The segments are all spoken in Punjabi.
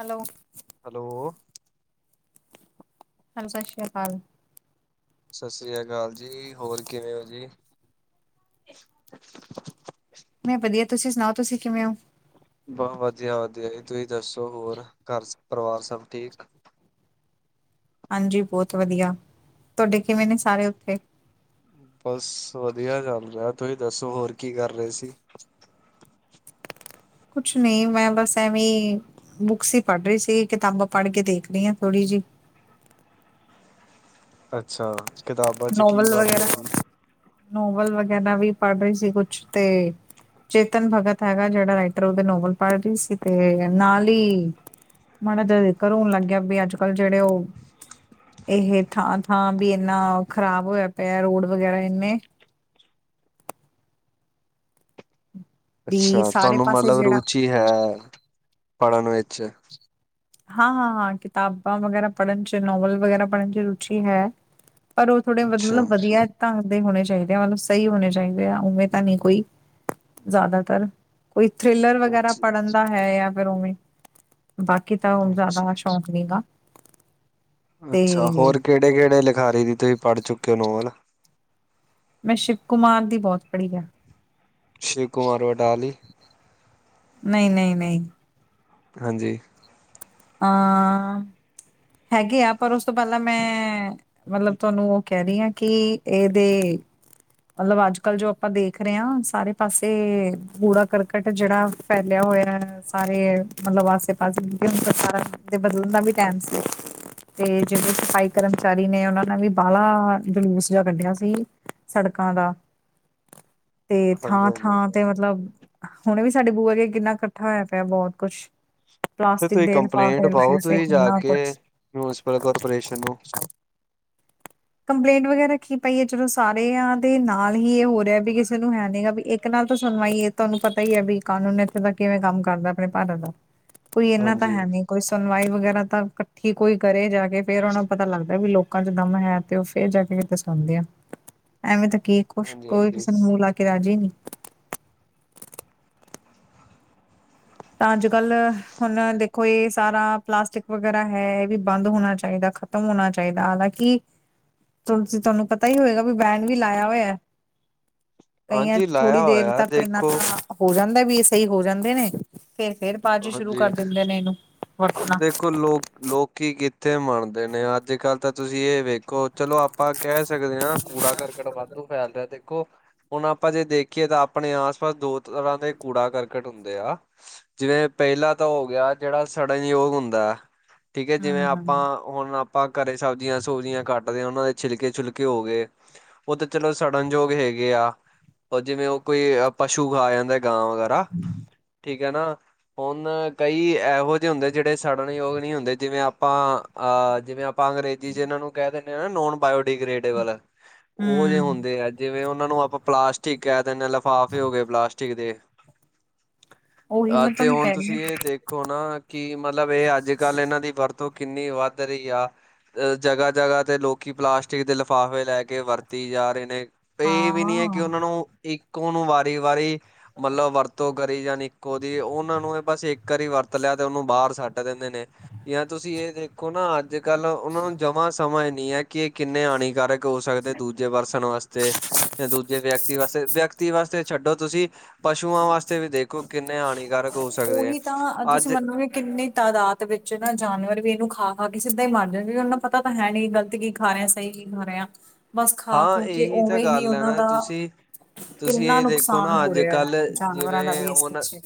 ਹੈਲੋ ਹੈਲੋ ਹੈਲੋ ਸਤਿ ਸ਼੍ਰੀ ਅਕਾਲ ਸਤਿ ਸ੍ਰੀ ਅਕਾਲ ਜੀ, ਹੋਰ ਕਿਵੇਂ ਹੋ ਜੀ? ਮੈਂ ਵਧੀਆ ਤੁਸੀਂ ਸੁਣਾਓ? ਤੁਸੀਂ ਕਿਵੇਂ ਹੋ? ਬਸ ਵਧੀਆ-ਵਧੀਆ ਜੀ ਤੁਸੀਂ ਦੱਸੋ? ਹੋਰ ਘਰ ਪਰਿਵਾਰ ਸਭ ਠੀਕ ਹਾਂਜੀ, ਬਹੁਤ ਵਧੀਆ ਤੁਹਾਡੇ ਕਿਵੇਂ ਨੇ ਸਾਰੇ ਉੱਥੇ ਬਸ ਵਧੀਆ ਚੱਲ ਰਿਹਾ ਤੁਸੀਂ ਦੱਸੋ ਹੋਰ ਕੀ ਕਰ ਰਹੇ ਸੀ? ਕੁਛ ਨਹੀਂ ਮੈਂ ਬਸ ਐਵੇਂ ਬੁੱਕਸ ਹੀ ਪੜ੍ਹ ਰਹੀ ਸੀਗੀ ਕਿਤਾਬਾਂ ਪੜ੍ਹ ਕੇ ਦੇਖ ਰਹੀ ਹੈ ਥੋੜੀ ਜਿਹੀ ਅੱਛਾ ਕਿਤਾਬਾਂ ਚ ਕੀ ਨੋਵਲ ਪੜ ਵਗੈਰਾ ਰਹੇ ਸੀ। ਨੋਵਲ ਵਗੈਰਾ ਵੀ ਪੜ੍ਹ ਰਹੀ ਸੀ, ਕੁਛ ਤੇ ਚੇਤਨ ਭਗਤ ਹੈਗਾ, ਜਿਹੜਾ ਰਾਈਟਰ ਉਹਦੇ ਨੋਵਲ ਪੜ੍ਹ ਰਹੀ ਸੀ ਤੇ ਨਾਲ ਹੀ ਮੜਾ ਦਾ ਜ਼ਿਕਰ ਹੋਣ ਲੱਗਿਆ ਵੀ ਅੱਜ- ਕੱਲ ਜਿਹੜੇ ਉਹ ਇਹ ਥਾਂ ਥਾਂ ਵੀ ਇੰਨਾ ਖ਼ਰਾਬ ਹੋਇਆ ਪਿਆ ਰੋਡ ਵਗੈਰਾ ਇੰਨੇ ਵੀ ਅੱਛਾ ਸਾਰੇ ਤੁਹਾਨੂੰ ਪਾਸੇ ਮਤਲਬ ਜਿਹੜਾ ਰੁਚੀ ਹੈ ਪੜ੍ਹਨ ਵਿੱਚ ਹਾਂ ਕਿਤਾਬਾਂ ਵਗੈਰਾ ਪੜ੍ਹਨ ਚ ਨੋਵਲ ਵਗੈਰਾ ਪੜ੍ਹਨ ਰੁਚੀ ਹੈ। ਪਰ ਉਹ ਥੋੜੇ ਅੱਛਾ। ਮਤਲਬ ਵਧੀਆ ਤਾਂ ਹੋਣੇ ਚਾਹੀਦੇ ਆ ਮਤਲਬ ਸਹੀ ਹੋਣੇ ਚਾਹੀਦੇ ਆ ਉਵੇਂ ਤਾਂ ਨਹੀਂ ਕੋਈ ਜ਼ਿਆਦਾਤਰ ਕੋਈ ਥਰਿਲਰ ਵਗੈਰਾ ਅੱਛਾ-ਅੱਛਾ, ਪੜ੍ਹਨ ਦਾ ਹੈ ਜਾਂ ਫਿਰ ਉਵੇਂ ਬਾਕੀ ਤਾਂ ਅੱਛਾ ਜ਼ਿਆਦਾ ਸ਼ੌਕ ਮਹਿੰਗਾ ਅੱਛਾ ਹੋਰ ਕਿਹੜੇ-ਕਿਹੜੇ ਲਿਖਾਰੀ ਦੀ ਤੁਸੀਂ ਪੜ੍ਹ ਚੁੱਕੇ ਹੋ ਨੋਵਲ ਮੈਂ ਸ਼ਿਵ ਕੁਮਾਰ ਦੀ ਬਹੁਤ ਪੜ੍ਹੀ ਹੈ। ਸ਼ਿਵ ਕੁਮਾਰ ਬਟਾਲੀ ਨਹੀਂ, ਨਹੀਂ ਨਹੀਂ ਹਾਂਜੀ ਆ ਹੈਗੇ ਆ ਪਰ ਉਸ ਤੋਂ ਪਹਿਲਾਂ ਮੈਂ ਮਤਲਬ ਤੁਹਾਨੂੰ ਉਹ ਕਹਿ ਰਹੀ ਆ ਕਿ ਇਹਦੇ ਮਤਲਬ ਅੱਜ ਕੱਲ ਜੋ ਆਪਾਂ ਦੇਖ ਰਹੇ ਹਾਂ ਸਾਰੇ ਪਾਸੇ ਕੂੜਾ ਕਰਕਟ ਜਿਹੜਾ ਫੈਲਿਆ ਹੋਇਆ ਸਾਰੇ ਮਤਲਬ ਆਸੇ ਪਾਸੇ [unintelligible] ਖਾਣਾ ਤੇ ਬਦਲਣ ਦਾ ਵੀ ਟਾਈਮ ਸੀ। ਤੇ ਜਿਹੜੇ ਸਫਾਈ ਕਰਮਚਾਰੀ ਨੇ ਉਹਨਾਂ ਨੇ ਵੀ ਬਾਹਲਾ ਜਲੂਸ ਦਾ ਕੱਢਿਆ ਸੀ। ਸੜਕਾਂ ਦਾ ਤੇ ਥਾਂ ਹਾਂਜੀ-ਹਾਂਜੀ, ਥਾਂ ਤੇ ਮਤਲਬ ਹੁਣੇ ਵੀ ਸਾਡੇ ਬੂਹੈ ਅੱਗੇ ਕਿੰਨਾ ਇਕੱਠਾ ਹੋਇਆ ਪਿਆ ਬਹੁਤ ਕੁਛ ਤੇ ਪਲਾਸਟਿਕ ਤੁਸੀਂ ਦੇ ਕੰਪਲੇਂਟ ਪਾਓ ਲਿਫਾਫੇ ਕਿੰਨਾ ਕੁਛ ਤੇ ਸਾਨੂੰ ਕੰਪਲੇਂਟ ਵਗੈਰਾ ਰੱਖੀ ਪਾਈਏ ਚਲੋ ਸਾਰਿਆਂ ਦੇ ਨਾਲ ਹੀ ਇਹ ਹੋ ਰਿਹਾ ਵੀ ਕਿਸੇ ਨੂੰ ਹੈ ਨੀ ਗਾ ਵੀ ਇੱਕ ਨਾਲ ਤਾਂ ਸੁਣਵਾਈਏ ਤੁਹਾਨੂੰ ਪਤਾ ਹੀ ਹੈ ਵੀ ਕਾਨੂੰਨ ਇੱਥੇ ਦਾ ਕਿਵੇਂ ਕੰਮ ਕਰਦਾ ਆਪਣੇ ਭਾਰਤ ਦਾ ਕੋਈ ਇਹਨਾਂ ਤਾਂ ਹਾਂਜੀ। ਹੈ ਨੀ ਕੋਈ ਸੁਣਵਾਈ ਵਗੈਰਾ ਤਾਂ ਇਕੱਠੀ ਕੋਈ ਕਰੇ ਜਾ ਕੇ ਫੇਰ ਉਹਨਾਂ ਨੂੰ ਪਤਾ ਲੱਗਦਾ ਵੀ ਲੋਕ ਲੋਕਾਂ ਚ ਦਮ ਹੈ ਤੇ ਉਹ ਫੇਰ ਜਾ ਕੇ ਕਿਤੇ ਸੌਉਂਦੇ ਆ ਐਵੇਂ ਤਾਂ ਕੀ ਕੁਛ ਹਾਂਜੀ ਕੋਈ ਹਾਂਜੀ ਕਿਸੇ ਨੂੰ ਮੂੰਹ ਲਾ ਕੇ ਰਾਜੀ ਨੀ ਤਾਂ ਅੱਜ ਕੱਲ ਹੁਣ ਦੇਖੋ ਇਹ ਸਾਰਾ ਪਲਾਸਟਿਕ ਵਗੈਰਾ ਹੈ ਇਹ ਵੀ ਬੰਦ ਹੋਣਾ ਚਾਹੀਦਾ ਖ ਖਤਮ ਹੋਣਾ ਚਾਹੀਦਾ ਹਾਲਾਂਕਿ ਤੁਸੀ ਤੁਹਾਨੂੰ ਪਤਾ ਹੀ ਹੋਏਗਾ ਵੀ ਬੈਂਨ ਵੀ ਲਾਇਆ ਹੋਇਆ ਹੈ ਕਈਆਂ ਹਾਂਜੀ ਚ ਲਾਇਆ ਥੋੜ੍ਹੀ ਦੇਰ ਹੋਇਆ ਤੱਕ ਇਨਾ ਦੇਖੋ ਤਾਂ ਹੋ ਜਾਂਦਾ ਵੀ ਇਹ ਸਹੀ ਹੋ ਜਾਂਦੇ ਨੇ ਫਿਰ ਬਾਅਦ ਸ਼ੁਰੂ ਕਰ ਹਾਂਜੀ ਦਿੰਦੇ ਨੇ ਇਹਨੂੰ ਵਰਤਣਾ ਦੇਖੋ ਲੋਕ ਲੋਕੀ ਕਿੱਥੇ ਮੰਨਦੇ ਨੇ ਅੱਜ ਕੱਲ੍ਹ ਤਾਂ ਤੁਸੀਂ ਇਹ ਵੇਖੋ ਚਲੋ ਆਪਾਂ ਕਹਿ ਸਕਦੇ ਹਾਂ ਕੂੜਾ ਕਰਕਟ ਵਾਧੂ ਫੈਲ ਰਿਹਾ ਦੇਖੋ ਹੁਣ ਆਪਾਂ ਜੇ ਦੇਖੀਏ ਤਾਂ ਆਪਣੇ ਆਸ ਪਾਸ ਦੋ ਤਰ੍ਹਾਂ ਦੇ ਕੂੜਾ ਕਰਕਟ ਹੁੰਦੇ ਆ ਜਿਵੇਂ ਪਹਿਲਾ ਤਾਂ ਹੋ ਗਿਆ ਜਿਹੜਾ ਸੜਨਯੋਗ ਹੁੰਦਾ ਹੈ ਠੀਕ ਹੈ ਜਿਵੇਂ ਹਮ ਆਪਾਂ ਹੁਣ ਆਪਾਂ ਘਰੇ ਸਬਜ਼ੀਆਂ ਸਬਜ਼ੀਆਂ ਕੱਟਦੇ ਹਾਂ ਉਹਨਾਂ ਦੇ ਛਿਲਕੇ ਛੁਿਲਕੇ ਹੋ ਗਏ ਉਹ ਤਾਂ ਚਲੋ ਸੜਨਯੋਗ ਹੈਗੇ ਆ ਉਹ ਜਿਵੇਂ ਉਹ ਕੋਈ ਪਸੂ ਖਾ ਜਾਂਦਾ ਗਾਂ ਵਗੈਰਾ ਠੀਕ ਹੈ ਨਾ ਹੁਣ ਕਈ ਇਹੋ ਜਿਹੇ ਹੁੰਦੇ ਜਿਹੜੇ ਸੜਨਯੋਗ ਨਹੀਂ ਹੁੰਦੇ ਜਿਵੇਂ ਆਪਾਂ ਅਹ ਜਿਵੇਂ ਆਪਾਂ ਅੰਗਰੇਜ਼ੀ ਜਿਨਾਂ ਨੂੰ ਕਹਿ ਦਿੰਦੇ ਹਾਂ ਨਾ ਨੋਨ ਬਾਇਓਡੀਿਗ੍ਰੇਡੇਬਲ ਉਹ ਜਿਹੇ ਹਮ ਹੁੰਦੇ ਆ ਜਿਵੇਂ ਉਹਨਾਂ ਨੂੰ ਆਪਾਂ ਪਲਾਸਟਿਕ ਕਹਿ ਦਿੰਦੇ ਲਿਫਾਫ ਹੀ ਹੋ ਗਏ ਪਲਾਸਟਿਕ ਦੇ ਉਹੀ ਅ ਮਤਲਬ ਤੇ ਹੁਣ ਤੁਸੀਂ ਇਹ ਦੇਖੋ ਨਾ ਕਿ ਮਤਲਬ ਇਹ ਅੱਜ ਕੱਲ੍ਹ ਇਹਨਾਂ ਦੀ ਵਰਤੋਂ ਕਿੰਨੀ ਵੱਧ ਰਹੀ ਆ ਅ ਜਗ੍ਹਾ ਜਗ੍ਹਾ ਤੇ ਲੋਕੀ ਪਲਾਸਟਿਕ ਦੇ ਲਿਫ਼ਾਫੇ ਲੈ ਕੇ ਵਰਤੀ ਜਾ ਰਹੇ ਨੇ ਹਾਂ ਇਹ ਵੀ ਨੀ ਹੈ ਕਿ ਹਾਂ ਉਹਨਾਂ ਨੂੰ ਇੱਕ ਨੋ ਨੂੰ ਵਾਰੀ ਵਾਰੀ ਮਤਲਬ ਵਰਤੋਂ ਕਰੀ ਜਾਾਨ ਇੱਕੋ ਦੀ ਉਹਨ ਉਹਨਾਂ ਨੂੰ ਬਸ ਇੱਕ ਵਾਰੀ ਵਰਤ ਲਿਆ ਤੇ ਉਹਨੂੰ ਬਾਹਰ ਸੱਟ ਦਿੰਦੇ ਨੇ ਜਾਂ ਤੁਸੀਂ ਇਹ ਦੇਖ ਦੇੋ ਨਾ ਅੱਜ ਕੱਲ੍ਹ ਉਹਨਾਂ ਨੂੰ ਜਮਾਂ ਸਮਝ ਨਹੀਂ ਹੈ ਕਿ ਇਹ ਕਿੰਨੇ ਹਾਨੀਕਾਰਕ ਹੋ ਸਕਦੇ ਦੂਜੇ ਪਰਸਨ ਵਾਸਤੇ ਜਾਂ ਦੂਜੇ ਵਿਅਕਤੀ ਵਾਸਤੇ ਵਿਅਕਤੀ ਵਾਸਤੇ ਛੱਡੋ ਤੁਸੀਂ ਪਸੂਆਂ ਵਾਸਤੇ ਵੀ ਦੇਖੋ ਕਿੰਨੇ ਹਾਨੀਕਾਰਕ ਹੋ ਸਕਦੇ ਆ ਉਹੀ ਤਾਂ ਤੁਸੀਂ ਅੱਜ ਮਨੋ ਵੀ ਕਿੰਨੀ ਤਾਦਾਦ ਵਿੱਚ ਨਾ ਜਾਨਵਰ ਵੀ ਇਹਨੂੰ ਖਾ ਖਾ ਕੇ ਸਿੱਧਾ ਹੀ ਮਰ ਜਾ ਉਹਨਾ ਪਤਾ ਪਤਾ ਤਾਂ ਹੈ ਨ ਨਹੀਂ ਗਲਤ ਕੀ ਖਾ ਰਿਹਾ ਸਹੀ ਕੀ ਖਾ ਰਿਹੇ ਹਾ ਬਸ ਖਾ ਹਾਂ ਖੋ ਕੇ ਇਹੀ ਤਾਂ ਉਵੇਂ ਹੀ ਗੱਲ ਹੈ ਉਹਨਾਂ ਨਾ ਦਾ ਤੁਸੀਂ ਤੁਸੀਂ ਕਿੰਨਾ ਇਹ ਦੇਖੋ ਨੁਕਸਾਨ ਨਾ ਹੋ ਅੱਜ ਰਿਹਾ ਕੱਲ੍ਹ ਜਾਨਵਰਾਂ ਦਾ ਜਿਵੇਂ ਵੀ ਇਸ ਹੁਣ ਪਿੱਛੇ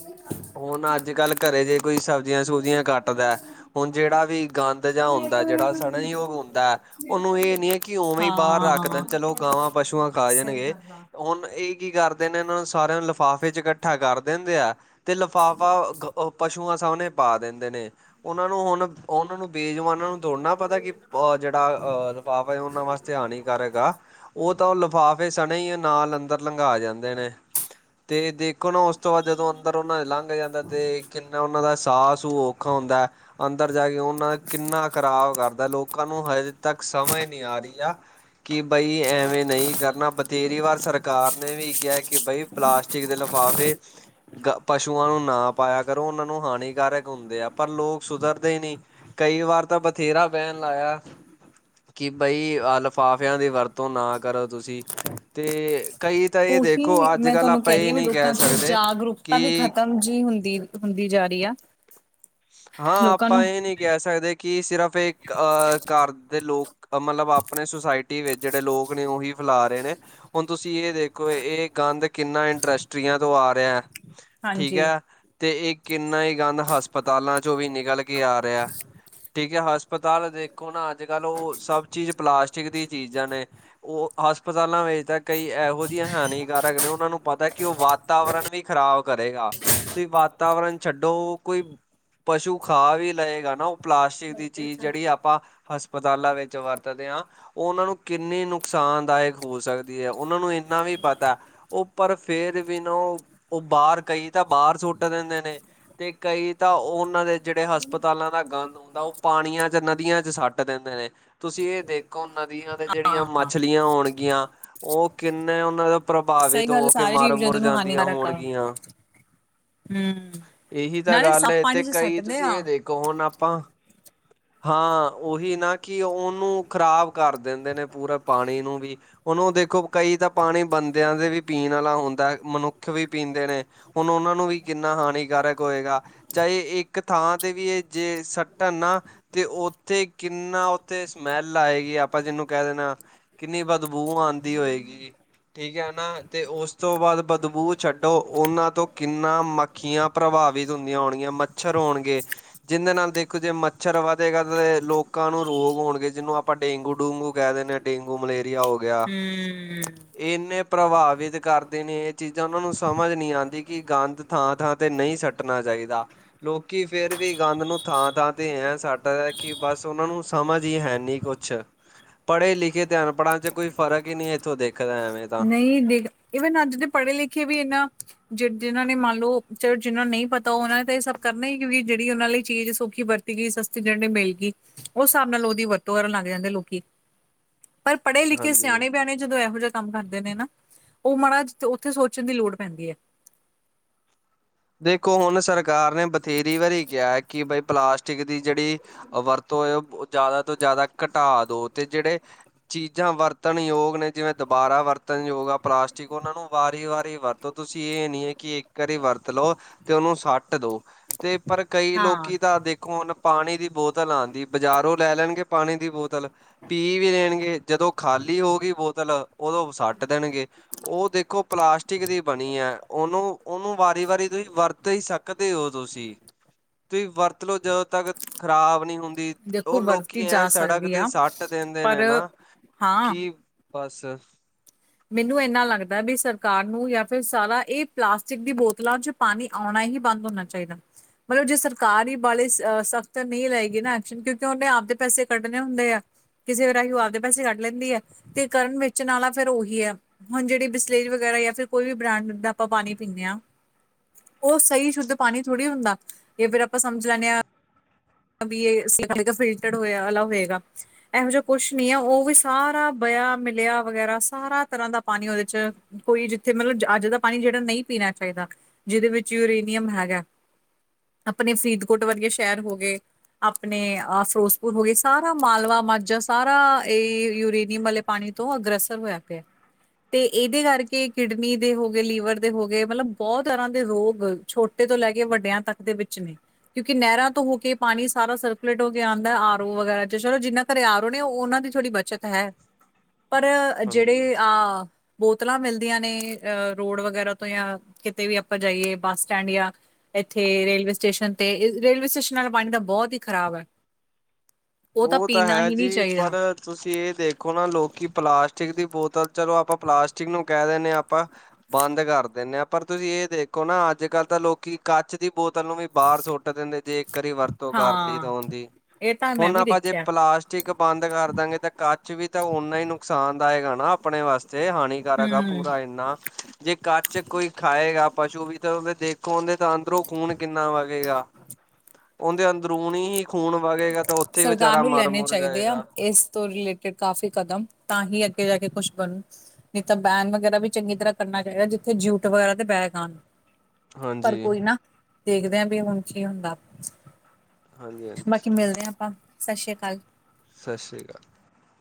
ਹੁਣ ਅੱਜ ਕੱਲ ਘਰੇ ਜੇ ਕੋਈ ਸਬਜ਼ੀਆਂ ਸਬਜ਼ੀਆਂ ਕੱਟਦਾ ਹੁਣ ਜਿਹੜਾ ਵੀ ਗੰਦ ਜਿਹਾ ਹੁੰਦਾ ਜਿਹੜਾ ਸੜਨਯੋਗ ਹੁੰਦਾ ਹੈ ਉਹਨੂੰ ਇਹ ਨੀ ਹੈ ਕਿ ਉਵੇਂ ਹੀ ਬਾਹਰ ਰੱਖ ਹਾਂ ਦੇਣ ਚਲੋ ਗਾਵਾਂ ਪਸੂਆਂ ਖਾ ਸਹੀ ਜਾਣਗੇ ਗੱਲ ਆ ਉਹਨ ਇਹ ਕੀ ਕਰਦੇ ਨੇ ਇਹਨਾਂ ਨੂੰ ਸਾਰਿਆਂ ਨੂੰ ਲਿਫਾਫੇ ਚ ਇਕੱਠਾ ਕਰ ਦਿੰਦੇ ਆ ਅਤੇ ਲਿਫਾਫਾ ਗ ਪਸ਼ੂਆਂ ਸਾਹਮਣੇ ਪਾ ਦਿੰਦੇ ਨੇ ਉਹਨਾਂ ਨੂੰ ਹੁਣ ਉਹਨਾਂ ਨੂੰ ਬੇਜੁਬਾਨਾਂ ਨੂੰ ਦੜਨਾ ਪਤਾ ਕਿ ਜਿਹੜਾ ਅਹ ਦਬਾਵ ਹੈ ਉਹਨਾਂ ਵਾਸਤੇ ਆਉਣੀ ਕਰੇਗਾ ਉਹ ਤਾਂ ਉਹ ਲਿਫਾਫੇ ਸਣੇ ਹੀ ਨਾਲ ਅੰਦਰ ਲੰਘਾ ਜਾਂਦੇ ਨੇ ਅਤੇ ਦੇਖੋ ਨਾ ਉਸ ਤੋਂ ਬਾਅਦ ਜਦੋਂ ਅੰਦਰ ਉਹਨਾਂ ਲੰਘ ਜਾਂਦਾ ਅਤੇ ਕਿੰਨਾ ਉਹਨਾਂ ਦਾ ਸਾਹ ਸੂ ਔਖਾ ਹੁੰਦਾ ਅੰਦਰ ਜਾ ਕੇ ਉਹਨਾਂ ਕਿੰਨਾ ਖਰਾਬ ਕਰਦਾ ਲੋਕਾਂ ਨੂੰ ਹਜੇ ਤੱਕ ਸਮਝ ਨਹੀਂ ਆ ਰਹੀ ਆ ਕਿ ਬਈ ਐਵੇਂ ਨਹੀਂ ਕਰਨਾ ਬਥੇਰੀ ਵਾਰ ਸਰਕਾਰ ਨੇ ਵੀ ਕਿਹਾ ਕਿ ਬਈ ਪਲਾਸਟਿਕ ਦੇ ਲਿਫਾਫੇ ਪਸ਼ ਪਸ਼ੂਆਂ ਨੂੰ ਨਾ ਪਾਇਆ ਕਰੋ, ਉਹਨਾਂ ਨੂੰ ਹਾਨੀਕਾਰਕ ਹੁੰਦੇ ਆ, ਪਰ ਲੋਕ ਸੁਧਰਦੇ ਨੀ। ਕਈ ਵਾਰ ਤਾਂ ਬਥੇਰਾ ਬੈਨ ਲਾਇਆ, ਕਿ ਬਈ ਆਹ ਲਫਾਫ਼ ਫ਼ਿਆਂ ਦੀ ਵਰਤੋਂ ਨਾ ਕਰੋ ਤੁਸੀਂ, ਤੇ ਕਈ ਤਾਂ ਇਹ ਦੇਖੋ ਉਹੀ ਅੱਜ ਮੈਂ ਕੱਲ ਤੁਹਾਨੂੰ ਆਪਾਂ ਕਹਿ ਰਹੀ ਇਹ ਹਾਂ, ਵੀ ਨਹੀਂ ਲੋਕਾਂ ਕਹਿ ਚ ਸਕਦੇ ਜਾਗਰੂਕਤਾ ਵੀ ਕਿ ਖ਼ਤਮ ਜਿਹੀ ਹੁੰਦੀ ਹੁੰਦੀ ਜਾ ਰਹੀ ਆ। ਹਾਂ ਲੋਕਾਂ ਆਪਾਂ ਨੂੰ ਇਹ ਨੀ ਕਹਿ ਸਕਦੇ, ਕਿ ਸਿਰਫ ਇੱਕ ਅਹ ਘਰ ਦੇ ਲੋਕ ਮਤਲਬ ਆਪਣੇ ਸੁਸਾਇਟੀ ਵਿੱਚ ਜਿਹੜੇ ਲੋਕ ਨੇ, ਉਹੀ ਫੈਲਾ ਰਹੇ ਨੇ। ਹੁਣ ਤੁਸੀਂ ਇਹ ਦੇਖੋ, ਇਹ ਗੰਦ ਕਿੰਨਾ ਇੰਡਸਟਰੀਆਂ ਤੋਂ ਆ ਰਿਹਾ। ਠੀਕ ਹਾਂਜੀ ਐ, ਤੇ ਇਹ ਕਿੰਨਾ ਹੀ ਗੰਦ ਹਸਪਤਾਲਾਂ ਚੋਂ ਵੀ ਨਿਕਲ ਕੇ ਆ ਰਿਹਾ। ਠੀਕ ਐ, ਹਸਪਤਾਲ ਦੇਖੋ ਨਾ ਅੱਜ- ਕੱਲ੍ਹ, ਉਹ ਸਭ ਚੀਜ਼ ਪਲਾਸਟਿਕ ਦੀ ਚੀਜ਼ਾਂ ਨੇ। ਉਹ ਹਸਪਤਾਲਾਂ ਵਿੱਚ ਤਾਂ ਕਈ ਇਹੋ ਜਿਹੀਆਂ ਹਾਨੀਕਾਰਕ ਨੇ, ਉਹਨਾਂ ਨੂੰ ਪਤਾ ਕਿ ਉਹ ਵਾ ਵਾਤਾਵਰਨ ਵੀ ਖ਼ਰਾਬ ਕਰੇਗਾ, ਤੁਸੀ ਵਾਤਾਵਰਨ ਛੱਡੋ, ਕੋਈ ਪਸ਼ੂ ਖਾ ਵੀ ਲਏਗਾ ਨਾ, ਉਹ ਪਲਾਸਟਿਕ ਦੀ ਚੀਜ਼ ਜਿਹੜੀ ਆਪਾਂ ਹਸਪਤਾਲਾਂ ਵਿੱਚ ਵਰਤਦੇ ਆਂ। ਉਹ ਉਹਨਾਂ ਨੂੰ ਕਿੰਨੀ ਨੁਕਸਾਨਦਾਇਕ ਹੋ ਸਕਦੀ ਐ, ਉਹਨਾਂ ਨੂੰ ਇੰਨਾ ਵੀ ਪਤਾ। ਉਹ ਪਰ ਫੇਰ ਵੀ ਨਾ ਉਹ, ਉਹ ਬਾਹਰ ਕਈ ਤਾਂ ਬਾਹਰ ਸੁੱਟ ਦਿੰਦੇ ਨੇ। ਤੇ ਕਈ ਤਾਂ ਉਹ ਉਹਨਾਂ ਦੇ ਜਿਹੜੇ ਹਸਪਤਾਲਾਂ ਦਾ ਗੰਦ ਹੁੰਦਾ, ਉਹ ਪਾਣੀਆਂ ਚ ਨਦੀਆਂ ਚ ਸੱਟ ਦਿੰਦੇ ਨੇ। ਤੁਸੀਂ ਇਹ ਦੇਖੋ, ਨਦੀਆਂ ਦੇ ਜਿਹੜੀਆਂ ਹਾਂ ਮੱਛਲੀਆਂ ਹੋਣਗੀਆਂ, ਉਹ ਕਿੰਨੇ ਉਹਨਾਂ ਦਾ ਸਹੀ ਪ੍ਰਭਾਵਿਤ ਗੱਲ ਹੋ ਕੇ ਸਾਰੇ ਮਰ ਜੀਵ ਮੁਰ ਜੰਤੂ ਨੂੰ ਜਾਂਦੀਆਂ ਹਾਨੀਕਾਰਕ ਆ ਹੋਣਗੀਆਂ। ਹੂੰ, ਇਹੀ ਤਾਂ ਨਾਲੇ ਸ ਗੱਲ ਹੈ ਤੇ ਕਈ ਤੁਸੀਂ ਇਹ ਦੇਖੋ, ਹੁਣ ਆਪਾਂ ਹਾਂ ਉਹੀ ਨਾ, ਕਿ ਉਹਨੂੰ ਖ਼ਰਾਬ ਕਰ ਦਿੰਦੇ ਨੇ, ਪੂਰਾ ਪਾਣੀ ਨੂੰ ਵੀ। ਉਹਨੂੰ ਦੇਖੋ, ਕਈ ਤਾਂ ਪਾਣੀ ਬੰਦਿਆਂ ਦੇ ਵੀ ਪੀਣ ਵਾਲਾ ਹੁੰਦਾ, ਮਨੁੱਖ ਵੀ ਪੀਂਦੇ ਨੇ। ਹੁਣ ਉਹਨਾਂ ਨੂੰ ਵੀ ਕਿੰਨਾ ਹਾਨੀਕਾਰਕ ਹੋਏਗਾ। ਚਾਹੇ ਇੱਕ ਥਾਂ ਤੇ ਵੀ ਇਹ ਜੇ ਸੱਟਣ ਨਾ ਤੇ ਉੱਥੇ ਕਿੰਨਾ ਉੱਥੇ ਸਮੈਲ ਆਏਗੀ, ਆਪਾਂ ਜਿਹਨੂੰ ਕਹਿ ਦੇਣਾ ਕਿੰਨੀ ਬਦਬੂ ਆਂਦੀ ਹੋਏਗੀ। ਠੀਕ ਹੈ ਨਾ, ਤੇ ਉਸ ਤੋਂ ਬਾਅਦ ਬਦਬੂ ਛੱਡੋ, ਉਹਨਾਂ ਤੋਂ ਕਿੰਨਾ ਮ ਮੱਖੀਆਂ ਪ੍ਰਭਾਵਿਤ ਹੁੰਦੀਆਂ ਹੋਣਗੀਆਂ, ਮੱਛਰ ਹੋਣਗੇ, ਜਿਹਦੇ ਨਾਲ ਦੇਖੋ ਜੇ ਮੱਛਰ ਵੱਧ ਕਦੇ- ਕਦੇ ਲੋਕਾਂ ਨੂੰ ਰੋਗ ਹੋਣਗੇ, ਜਿਹਨੂੰ ਆਪਾਂ ਡੇਂਗੂ ਡੂੰਗੂ ਕਹਿ ਦਿੰਦੇ ਹਾਂ, ਡੇਂਗੂ ਮਲੇਰੀਆ ਹੋ ਗਿਆ। ਇਹ ਇੰਨੇ ਪ੍ਰਭਾਵਿਤ ਕਰਦੇ ਨੇ ਇਹ ਚੀਜ਼ਾਂ, ਉਹਨਾਂ ਨੂੰ ਸਮਝ ਨਹੀਂ ਆਂਦੀ ਕਿ ਗੰਦ ਥਾਂ- ਥਾਂ ਤੇ ਨਹੀਂ ਸੱਟਣਾ ਚਾਹੀਦਾ, ਲੋਕੀ ਫੇਰ ਵੀ ਗੰਦ ਨੂੰ ਥਾਂ- ਥਾਂ ਤੇ ਐਂ ਸੱਟ ਪਤਾ ਕਿ ਬਸ ਉਹਨਾਂ ਨੂੰ ਸਮਝ ਈ ਹੈ ਨੀ ਕੁਛ। ਪੜ੍ਹੇ-ਲਿਖੇ ਤੇ ਅਨਪੜ੍ਹਾਂ ਚ ਕੋਈ ਫਰਕ ਹੀ ਨਹੀਂ, ਇੱਥੋਂ ਦੇ ਨਹੀਂ ਦੇਖ, ਈਵਨ ਅੱਜ ਦੇ ਪੜ੍ਹੇ ਲਿਖੇ ਵੀ ਇਹਨਾਂ ਜ ਜਿਹਨਾਂ ਨੇ ਮੰਨ ਲਓ ਜਿਹਨਾਂ ਨੂੰ ਨਹੀਂ ਪਤਾ, ਉਹਨਾਂ ਨੇ ਤਾਂ ਇਹ ਸਭ ਕਰਨਾ ਹੀ, ਕਿਉਂਕਿ ਜਿਹੜੀ ਉਹਨਾਂ ਲਈ ਚੀਜ਼ ਸੌਖੀ ਵਰਤੀ ਗਈ ਸਸਤੀ ਮਿਲ ਗਈ, ਉਹ ਸਾਬ ਨਾਲ ਉਹਦੀ ਵਰਤੋਂ ਕਰਨ ਲੱਗ ਜਾਂਦੇ ਲੋਕੀ। ਪਰ ਪੜ੍ਹੇ ਲਿਖੇ ਹਾਂਜੀ ਸਿਆਣੇ ਬਿਆਣੇ ਜਦੋਂ ਇਹੋ ਜਿ ਕੰਮ ਕਰਦੇ ਨੇ ਨਾ, ਉਹ ਮਾੜਾ ਉੱਥੇ ਸੋਚਣ ਦੀ ਲੋੜ ਪੈਂਦੀ ਐ। ਦੇਖੋ ਹੁਣ ਸਰਕਾਰ ਨੇ ਬਥੇਰੀ ਵਾਰੀ ਕਿਹਾ, ਕਿ ਬਈ ਪਲਾਸਟਿਕ ਦੀ ਜਿਹੜੀ ਅ ਵਰਤੋ ਜ਼ਿਆਦਾ ਤੋਂ ਜ਼ਿਆਦਾ ਘਟਾ ਦੋ, ਤੇ ਜਿਹੜੇ ਚੀਜ਼ਾਂ ਵਰਤਣ ਯੋਗ ਨੇ, ਜਿਵੇਂ ਦੁਬਾਰਾ ਵਰਤਣ ਯੋਗ ਆ, ਪਲਾਸਟਿਕ ਉਹਨਾਂ ਨੂੰ ਵਾਰੀ- ਵਾਰੀ ਵਰਤ ਤਾਂ ਤੁਸੀਂ ਇਹ ਨੀ ਹੈ, ਕਿ ਇੱਕ ਵਾਰੀ ਵਰਤੋਂ ਤ ਲੋ ਤੇ ਉਹਨੂੰ ਸੱਟ ਦੋ, ਤੇ ਪਰ ਕਈ ਹਾਂ। ਲੋਕੀ ਤਾਂ ਦੇਖ ਹੁਣ ਪਾਣੀ ਦੀ ਬੋਤਲ ਆਂਦੀ, ਬਾਜ਼ਾਰੋਂ ਲੈ ਲੈਣਗੇ ਪਾਣੀ ਦੀ ਬੋਤਲ। ਪੀ ਵੀ ਦੇਣਗੇ, ਜਦੋਂ ਖਾਲੀ ਹੋਗੀ ਬੋਤਲ, ਉਦੋਂ ਸੱਟ ਦੇਣਗੇ। ਉਹ ਦੇਖੋ, ਪਲਾਸਟਿਕ ਦੀ ਬਣੀ ਹੈ। ਉਹਨੂੰ ਉਹਨੂੰ ਵਾਰੀ -ਵਾਰੀ ਤੁਸੀਂ ਵਰਤ ਹੀ ਸਕਦੇ ਪੀਉ ਤੁਸੀਂ। ਤੁਸੀ ਵਰਤ ਲੋ ਜਦੋਂ ਤੱਕ ਖ਼ਰਾਬ ਨਹੀਂ ਹੁੰਦੀ। ਦੀ ਦੇਖੋ ਉਹ ਵਰਤੀ ਲੋਕੀ ਐ ਜਾ ਸੜਕ ਸਕਦੀ ਤੇ ਆ ਸੱਟ ਦਿੰਦੇ ਨੇ ਪਰ ਨਾ। ਕਿ ਹਾਂ ਬਸ ਮੈਨੂੰ ਐਨਾ ਲੱਗਦਾ ਵੀ, ਸਰਕਾਰ ਨੂੰ ਜਾਂ ਫਿਰ ਸਾਰਾ ਇਹ ਪਲਾਸਟਿਕ ਦੀ ਬੋਤਲਾਂ ਚ ਪਾਣੀ ਆਉਣਾ ਹੀ ਬੰਦ ਹੋਣਾ ਚਾਹੀਦਾ। ਮਤਲਬ ਜੇ ਸਰਕਾਰ ਹੀ ਵਾਲੇ ਸਖ਼ਤ ਨਹੀਂ ਲਏਗੀ ਨਾ ਐਕਸ਼ਨ, ਕਿਉਂਕਿ ਉਹਨੇ ਆਪਦੇ ਪੈਸੇ ਕੱਢਣੇ ਹੁੰਦੇ ਆ। ਕਿਸੇ ਵੇ ਰਾਹੀਂ ਉਹ ਆਪਦੇ ਪੈਸੇ ਕੱਢ ਲੈਂਦੀ ਹੈ। ਤੇ ਕਰਨ ਵੇਚਣ ਵਾਲਾ ਫੇਰ ਉਹੀ ਕਿ ਹੈ। ਹੁਣ ਜਿਹੜੀ ਬਿਸਲੇਜ ਵਗੈਰਾ ਜਾਂ ਫਿਰ ਕੋਈ ਵੀ ਬ੍ਰਾਂਡ ਦਾ ਆਪਾਂ ਪਾਣੀ ਪੀਂਦੇ ਹਾਂ। ਉਹ ਸਹੀ ਸ਼ੁੱਧ ਪਾਣੀ ਥੋੜ੍ਹੀ ਹੁੰਦਾ। ਜਾਂ ਫੇਿਰ ਆਪਾਂ ਸਮਝ ਲੈਂਦੇ ਹਾਂ। ਵੀ ਇਹ ਫਿਲਟਰਡ ਹੋਆ ਅ ਹੋਏਗਾ। ਇਹੋ ਜਿਹਾ ਕੁਛ ਨੀ ਹੈ। ਉਹ ਵੀ ਸਾਰਾ ਬਆ ਮਿਲਿਆ ਵਗੈਰਾ ਸਾਰਾ ਤਰ੍ਹਾਂ ਦਾ ਪਾਣੀ ਉਹਦੇ ਚ' ਕੋਈ ਜਿੱਥੇ ਮਤਲਬ ਅੱਜ ਦਾ ਪਾਣੀ ਜਿਹੜਾ ਨਹੀਂ ਪੀਣਾ ਚਾਹੀਦਾ। ਜਿਹਦੇ ਵਿੱਚ ਯੂਰੇਨੀਅਮ ਹੈਗਾ। ਆਪਣੇ ਫਰੀਦਕੋਟ ਵਰਗੇ ਸ਼ਹਿਰ ਹੋ ਗਏ। ਆਪਣੇ ਫਿਰੋਜ਼ਪੁਰ ਹੋ ਗਏ। ਸਾਰਾ ਮਾਲਵਾ, ਮਾਝਾ ਸਾਰਾ ਇਹ ਯੂਰੇਨੀਅਮ ਵਾਲੇ ਪਾਣੀ ਤੋਂ ਅਗ੍ਰਸਰ ਹੋਇਆ ਪੈਆ। ਤੇ ਇਹਦੇ ਕਰਕੇ ਕਿਡਨੀ ਦੇ ਹੋ ਗਏ, ਲੀਵਰ ਦੇ ਹੋ ਗਏ। ਮਤਲਬ ਬਹੁਤ ਤਰ੍ਹਾਂ ਦੇ ਰੋਗ ਛੋਟੇ ਤੋਂ ਲੈ ਕੇ ਵੱਡਿਆਂ ਤੱਕ ਦੇ ਵਿੱਚ ਨੇ। ਕਿਉਂਕਿ ਨਹਿਰਾਂ ਤੋਂ ਹੋ ਕੇ ਪਾਣੀ ਸਾਰਾ ਸਰਕੂਲੇਟ ਹੋ ਕੇ ਆਉਂਦਾ ਆਰ ਓ ਵਗੈਰਾ ਚ' ਚਲੋ, ਜਿੰਨਾ ਘਰੇ ਆਰ ਓ ਨੇ ਉਹਨਾਂ ਦੀ ਥੋੜ੍ਹੀ ਬੱਚਤ ਹੈ। ਪਰ ਹਾਂਜੀ ਜਿਹੜੇ ਆ ਬੋਤਲਾਂ ਮਿਲਦੀਆਂ ਨੇ। ਅ ਰੋਡ ਵਗੈਰਾ ਤੋਂ ਜਾਂ ਕਿਤੇ ਵੀ ਆਪਾਂ ਜਾਈਏ ਬੱਸ ਸਟੈਂਡ ਜਾਂ ਇੱਥੇ ਰੇਲਵੇ ਸਟੇਸ਼ਨ ਤੇ ਰੇਲਵੇ ਸਟੇਸ਼ਨ ਨਾਲ ਪਾਣੀ ਤਾਂ ਬਹੁਤ ਹੀ ਖ਼ਰਾਬ ਹੈ। ਉਹ ਤਾਂ ਪੀਣਾ ਹੈ ਹੀ ਨਹੀਂ ਜੀ ਪਰ ਚਾਹੀਦਾ। ਤੁਸੀਂ ਇਹ ਦੇਖੋ ਨਾ ਲੋਕੀ ਪਲਾਸਟਿਕ ਦੀ ਬੋਤਲ ਚਲੋ ਆਪਾਂ ਪਲਾਸਟਿਕ ਨੂੰ ਕਹਿ ਦਿੰਦੇ ਹਾਂ। ਆਪਾਂ ਬੰਦ ਕਰ ਦਿੰਦੇ ਆ। ਪਰ ਤੁਸੀਂ ਇਹ ਦੇਖੋ ਨਾ ਅੱਜ ਕੱਲ੍ਹ ਤਾਂ ਲੋਕੀ ਕੱਚ ਦੀ ਬੋਤਲ ਨੂੰ ਵੀ ਬਾਹਰ ਸੁੱਟ ਦਿੰਦੇ ਜੇ ਇੱਕ ਵਾਰੀ ਵਰਤੋਂ ਕਰ ਲਈ ਤਾਂ ਹਾਂ ਉਹਦੀ। ਇਹ ਤਾਂ ਮੈਂ ਹੁਣ ਵੀ ਆਪਾਂ ਜੇ ਦੇਖਿਆ ਪਲਾਸਟ ਕ ਇੱਕ ਬੰਦ ਕਰ ਦਾਂਗੇ ਤਾਂ ਕੱਚ ਵੀ ਤਾਂ ਓਨਾ ਹੀ ਨੁਕਸਾਨ ਦਾਏਗਾ ਨਾ ਆਪਣੇ ਵਾਸਤੇ ਹਾਣੀ। ਕਰ ਹੈਗਾ ਹੂੰ ਪੂਰਾ ਇੰਨਾ। ਜੇ ਕੱਚ ਕੋਈ ਖਾਏਗਾ। ਪਸ਼ੂ ਵੀ ਅਂਦੇਰੋ ਦੇਖੋਦੇ ਤਾਂ ਅੰਦਰੋਂ ਖੂਨ ਕਿੰਨਾ ਵਗੇਗਾ। ਉਹਦੇ ਅੰਦਰੂਨੀ ਹੀ ਖੂਨ ਵਗੇਗਾ ਤਾਂ ਉੱਥੇ ਹੀ ਸਰਕਾਰ ਵਿਚਾਰਾ ਨੂੰ ਮਰ ਲੈਣੇ ਮੁਰ ਚਾਹੀਦੇ ਆ। ਜਾਏਗਾ ਇਸ ਤੋਂ ਰਿਲੇਟ ਕਾਫ਼ੀ ਕਦਮ ਤਾਂ ਹੀ ਅੱਗੇ ਜਾ ਕੇ ਕੁਛ ਬਣੂ। ਨਹੀਂ ਤਾਂ ਬੈਨ ਵਗੈਰਾ ਵੀ ਚੰਗੀ ਤਰ੍ਹਾਂ ਕਰਨਾ ਚਾਹੀਦਾ। ਜਿੱਥੇ ਜੂਟ ਵਗੈਰਾ ਤੇ ਬੈਗ ਆਉਣ। ਪਰ ਹਾਂਜੀ ਕੋਈ ਨਾ, ਦੇਖਦੇ ਆ ਵੀ ਹੁਣ ਕੀ ਹੁੰਦਾ। ਹਾਂਜੀ ਹਾਂਜੀ ਬਾਕੀ ਮਿਲਦੇ ਹਾਂ ਆਪਾਂ। ਸਤਿ ਸ੍ਰੀ ਅਕਾਲ। ਸਤਿ ਸ਼੍ਰੀ ਅਕਾਲ।